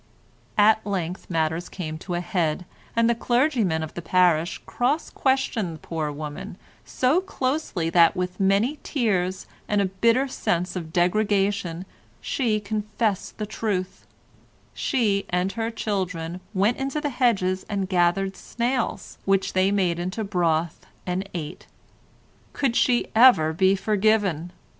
At length matters came to a head and the clergyman of the parish cross questioned the poor woman so closely that with many tears and a bitter sense of degradation she confessed the truth; she and her children went into the hedges and gathered snails, which they made into broth and ate—could she ever be forgiven?